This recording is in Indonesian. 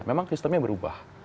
memang sistemnya berubah